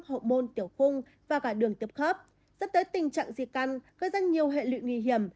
hậu môn tiểu khung và cả đường tiểu khớp dẫn tới tình trạng di căn gây ra nhiều hệ lụy nguy hiểm